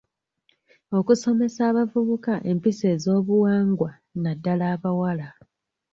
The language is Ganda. Okusomesa abavubuka empisa ez'obuwangwa, naddala abawala.